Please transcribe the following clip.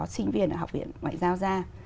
sinh viên ở học viện ngoại giao ra